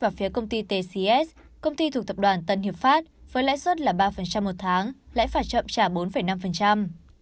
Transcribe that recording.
và phía công ty tcs công ty thuộc tập đoàn tân hiệp pháp với lãi suất là ba một tháng lãi phải chậm trả bốn năm